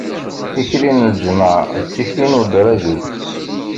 Tikli n lǧemɛa, d tikli n wedṛagi.